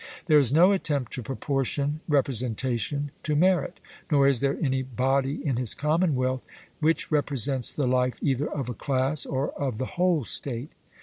There is no attempt to proportion representation to merit; nor is there any body in his commonwealth which represents the life either of a class or of the whole state.